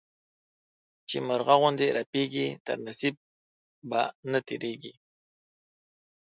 چي مرغه غوندي رپېږي، تر نصيب به نه تيرېږې.